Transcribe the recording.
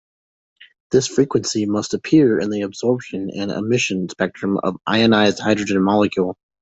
This frequency must appear in the absorption and emission spectrum of ionized hydrogen molecule.